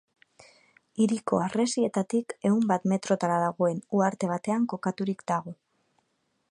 Hiriko harresietatik ehun bat metrotara dagoen uharte batean kokaturik dago.